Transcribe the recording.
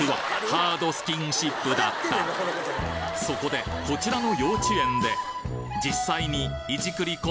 そこでこちらの幼稚園で実際にいじくり